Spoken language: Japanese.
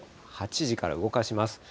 ８時から動かします。